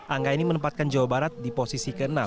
angka ini menempatkan jawa barat di posisi ke enam